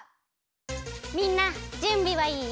みんなじゅんびはいい？